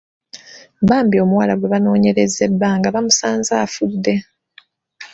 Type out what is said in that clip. Bambi omuwala gwe banoonyerezza ebbanga bamusanze afudde.